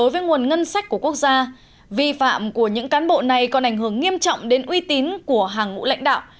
nguồn ngân sách của quốc gia vi phạm của những cán bộ này còn ảnh hưởng nghiêm trọng đến uy tín của hàng ngũ lãnh đạo